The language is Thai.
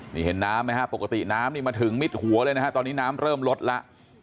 นี่เห็นน้ำไหมฮะปกติน้ำนี่มาถึงมิดหัวเลยนะฮะตอนนี้น้ำเริ่มลดแล้ว